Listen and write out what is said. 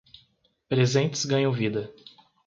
Presentes ganham vida.